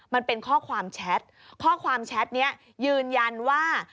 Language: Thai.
มันเป็นข้อความแชทข้อความแชทนี้ยืนยันว่า